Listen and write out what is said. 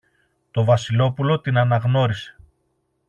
Το Βασιλόπουλο την αναγνώρισε.